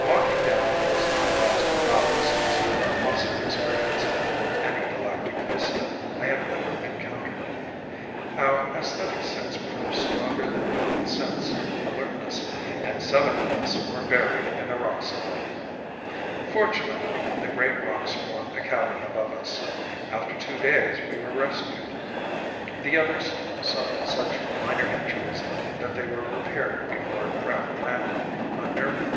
Walking down those alabaster valleys was a more awesome experience than any galactic vista I have ever encountered. Our aesthetic sense proved stronger than common sense alertness and seven of us were buried in a rock slide. Fortunately the great rocks formed a cavern above us. After two days we were rescued. The others had suffered such minor injuries that they were repaired before our craft landed on Nirva.